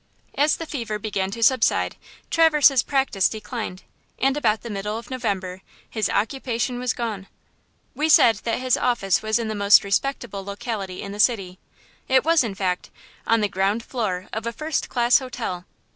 As the fever began to subside, Traverse's practice declined, and about the middle of November his "occupation was gone." We said that his office was in the most respectable locality in the city; it was, in fact, on the ground floor of a first class hotel.